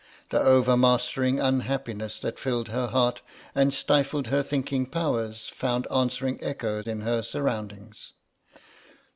The overmastering unhappiness that filled her heart and stifled her thinking powers found answering echo in her surroundings.